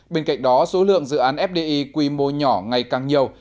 bên cạnh đó số lượng dự án fdi quy mô nhỏ ngày càng nhiều